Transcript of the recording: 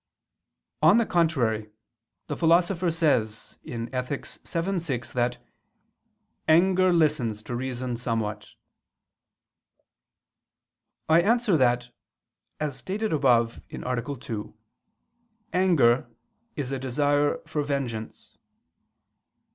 On the contrary, The Philosopher says (Ethic. vii, 6) that "anger listens to reason somewhat." I answer that, As stated above (A. 2), anger is a desire for vengeance.